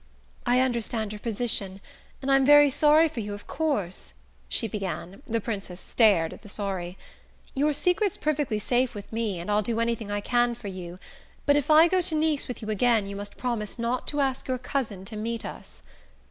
"I understand your position, and I'm very sorry for you, of course," she began (the Princess stared at the "sorry"). "Your secret's perfectly safe with me, and I'll do anything I can for you...but if I go to Nice with you again you must promise not to ask your cousin to meet us."